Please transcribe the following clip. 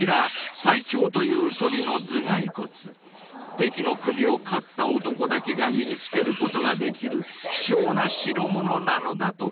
［敵の首を狩った男だけが身に着けることができる貴重な代物なのだとか］